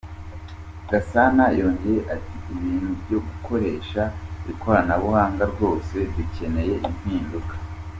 Gasana yongeye ati “Ibintu byo gukoresha ikoranabuhanga, rwose dukeneye impinduka.